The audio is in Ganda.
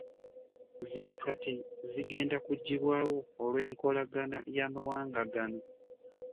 Zino kati zigenda kuggyibwawo olw'enkolagana y'amawanga gano